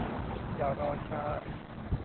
อย่ารอช้า